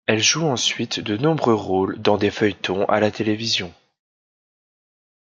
Elle joue ensuite de nombreux rôles dans des feuilletons à la télévision.